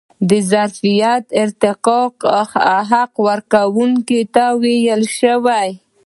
د ظرفیت ارتقا حق کارکوونکي ته ورکړل شوی.